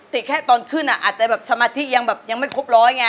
ติแค่ตอนครึ่งอาจจะแบบสมาธิยังไม่ครบร้อยไง